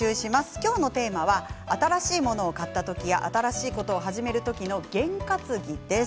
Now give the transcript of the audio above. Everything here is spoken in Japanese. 今日のテーマは新しいものを買った時や新しいことを始める時の験担ぎです。